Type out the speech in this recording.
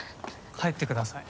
帰ってください。